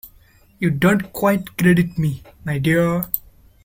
You don't quite credit me, my dear!